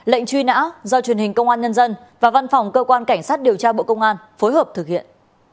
lệnh truy nã do truyền hình công an nhân dân và văn phòng cơ quan cảnh sát điều tra bộ công an phối hợp thực hiện